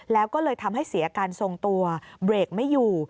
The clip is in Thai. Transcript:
แล้วก็เลยทำให้เสียการทรงตัวเบรกไม่อยู่